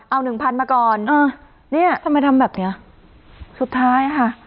เอาหนึ่งพันมาก่อนเออเนี้ยทำไมทำแบบเนี้ยสุดท้ายค่ะ